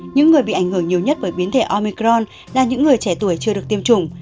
những người bị ảnh hưởng nhiều nhất bởi biến thể omicron là những người trẻ tuổi chưa được tiêm chủng